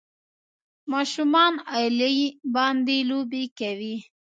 ماشومان غالۍ باندې لوبې کوي.